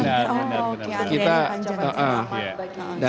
oh oke antriannya panjang